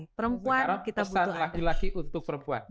pesan pesan laki laki untuk perempuan